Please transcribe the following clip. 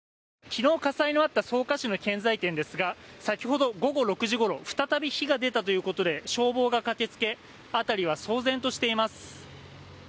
昨日火災のあった草加市の建材店ですが先ほど午後６時ごろ再び火が出たということで消防が駆けつけ辺りは騒然としています。